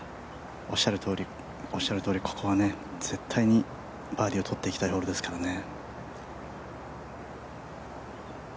おっしゃるとおり、ここは絶対にバーディーをとっていきたいホールですからね。